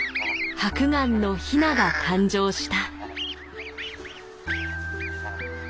ハクガンのヒナが誕生した。